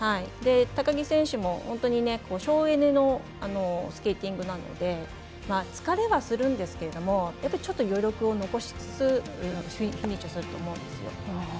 高木選手も本当に省エネのスケーティングなので疲れはするんですけどちょっと余力を残しつつフィニッシュすると思うんですよ。